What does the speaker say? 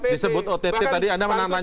disebut ott tadi anda menantangnya kan